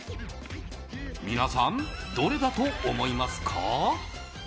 皆さん、どれだと思いますか？